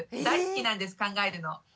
大好きなんです考えるの。